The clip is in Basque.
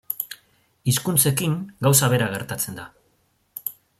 Hizkuntzekin gauza bera gertatzen da.